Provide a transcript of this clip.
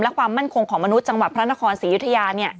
และความมั่นคงของมนุษย์จังหวัดพระนครศรียุธยา